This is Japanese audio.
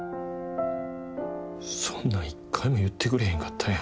そんなん、１回も言ってくれへんかったやん。